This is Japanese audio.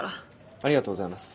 ありがとうございます。